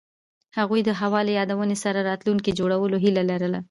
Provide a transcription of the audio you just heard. هغوی د هوا له یادونو سره راتلونکی جوړولو هیله لرله.